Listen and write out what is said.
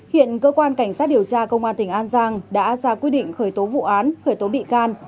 hiện cơ quan cảnh sát điều tra công an tỉnh an giang đã ra quyết định khởi tố vụ án khởi tố bị can